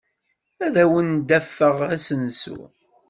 Ad awen-d-afeɣ asensu.